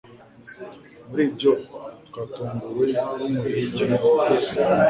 muribyo twatunguwe nkumuhigi unuka